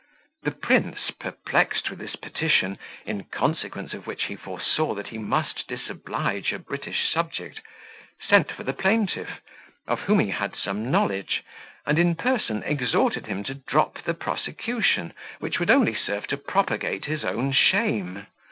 The prince, perplexed with this petition, in consequence of which he foresaw that he must disoblige a British subject, sent for the plaintiff, of whom he had some knowledge, and, in person, exhorted him to drop the prosecution, which would only serve to propagate his own shame.